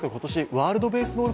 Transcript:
ワールドベースボール